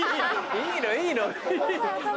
いいのいいの。